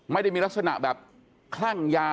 ไม่ได้มีลักษณะแบบคลั่งยา